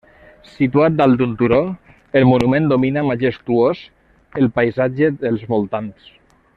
Situat dalt d'un turó, el monument domina majestuós el paisatge dels voltants.